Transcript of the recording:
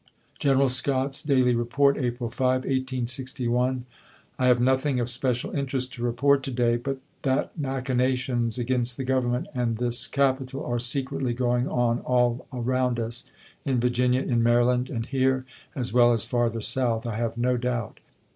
Greneral Scott's daily report, April 5, 1861 : I have nothing of special interest to report to day; but that machinations against the Government and this capi tal are secretly going on all around us, — in Virginia, in Maryland, and here, as well as farther south, — I have no doubt.